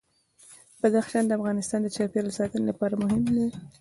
بدخشان د افغانستان د چاپیریال ساتنې لپاره مهم دي.